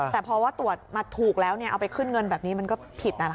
แต่พอว่าตรวจมาถูกแล้วเอาไปขึ้นเงินแบบนี้มันก็ผิด